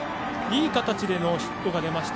いい形でのヒットが出ました。